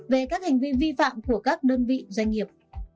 về các hành vi vi phạm của các đơn vị doanh nghiệp